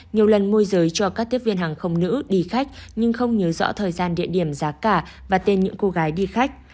nhiều lần môi giới cho các tiếp viên hàng không nữ đi khách nhưng không nhớ rõ thời gian địa điểm giá cả và tên những cô gái đi khách